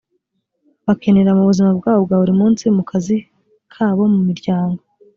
bakenera mu buzima bwabo bwa buri munsi mu kazi kabo mu miryango